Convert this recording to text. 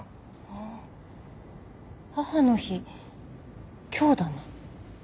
あっ母の日今日だね。